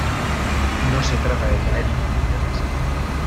No se trata de tener inhibiciones.